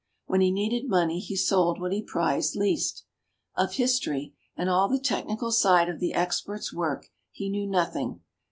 When he needed money he sold what he prized least. Of his tory, and all the technical side of the expert's work, he knew nothing.